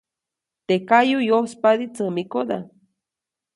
Teʼ kayuʼ yospadi tsämikoda.